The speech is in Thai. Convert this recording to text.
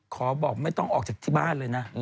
บอกไม่ต้องออกจากที่บ้านเลยนะ